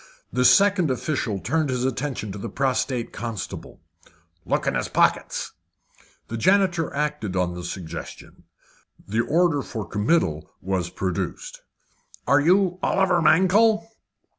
This second official turned his attention to the prostrate constable. "Look in his pockets." The janitor acted on the suggestion. The order for committal was produced. "Are you Oliver Mankell?"